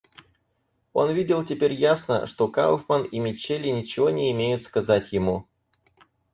Он видел теперь ясно, что Кауфман и Мичели ничего не имеют сказать ему.